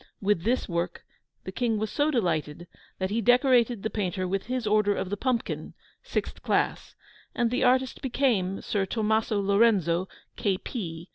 With this work the King was so delighted, that he decorated the Painter with his Order of the Pumpkin (sixth class), and the artist became Sir Tomaso Lorenzo, K. P.